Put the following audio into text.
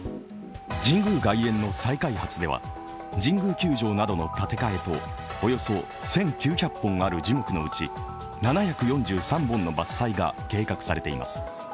神宮外苑の再開発では神宮球場などの建て替えとおよそ１９００本ある樹木の打ち７４３本の伐採が計画されています。